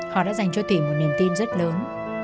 họ đã dành cho thủy một niềm tin rất lớn